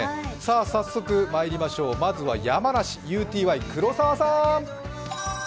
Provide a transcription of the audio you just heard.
早速、まいりましょう、まずは山梨ＵＴＹ・黒澤さん。